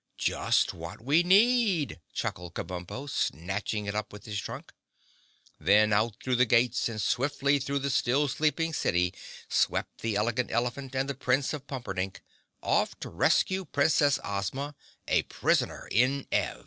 "Just what we need," chuckled Kabumpo, snatching it up in his trunk. Then out through the gates and swiftly through the still sleeping city swept the Elegant Elephant and the Prince of Pumperdink, off to rescue Princess Ozma, a prisoner in Ev!